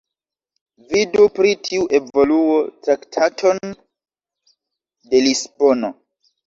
Vidu pri tiu evoluo Traktaton de Lisbono.